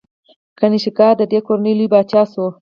کنیشکا د دې کورنۍ لوی پاچا شو